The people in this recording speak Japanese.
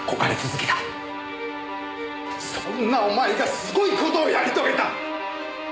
そんなお前がすごい事をやり遂げた。